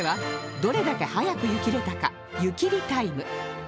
どれだけ速く湯切れたか湯切りタイム